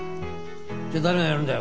じゃあ誰がやるんだよ？